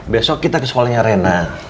besok kita ke sekolahnya rena